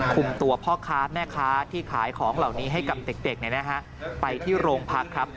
คุมตัวพ่อค้าแม่ค้าที่ขายของเหล่านี้ให้กับเด็กไปที่โรงพักครับ